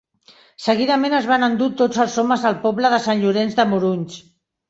Seguidament es van endur tots els homes al poble de Sant Llorenç de Morunys.